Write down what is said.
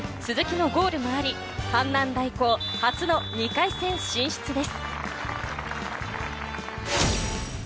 エース鈴木のゴールもあり、阪南大高初の２回戦進出です。